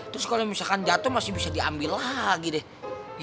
terus kalau misalkan jatuh masih bisa diambil lagi deh